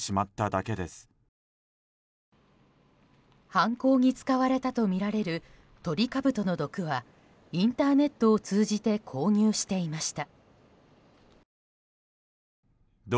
犯行に使われたとみられるトリカブトの毒はインターネットを通じて購入していました。